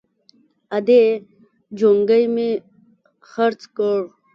_ادې! جونګی مې خرڅ کړ!